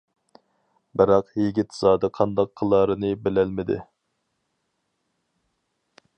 بىراق يىگىت زادى قانداق قىلارىنى بىلەلمىدى.